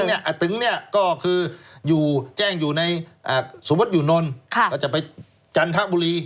ปุปะตึ๋งเนี่ยก็คือแจ้งอยู่ในสมมติอยู่นรก็จะไปจันทะบุรี